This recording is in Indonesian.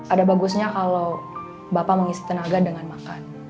ada bagusnya kalau bapak mengisi tenaga dengan makan